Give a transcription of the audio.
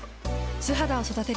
素肌を育てる。